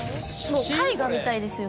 絵画みたいですよね。